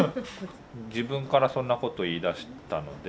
自分からそんなこと言いだしたので。